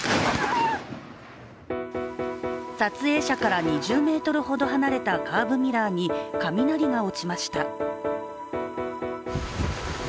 撮影者から２０ｍほど離れたカーブミラーに雷が落ちました。